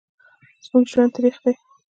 زموږ ژوند تریخ دی